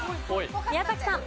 宮崎さん。